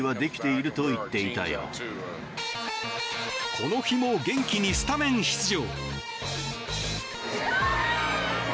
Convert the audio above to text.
この日も元気にスタメン出場。